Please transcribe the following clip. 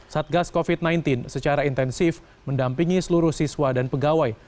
satgas covid sembilan belas secara intensif mendampingi seluruh siswa dan pegawai